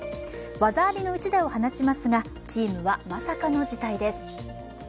技ありの一打を放ちますがチームはまさかの事態です。